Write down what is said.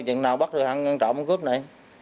chẳng nào bắt được ăn trộm cướp này